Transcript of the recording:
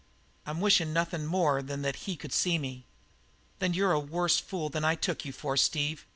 "I'm wishin' nothin' more than that he could see me." "Then you're a worse fool than I took you for, Steve.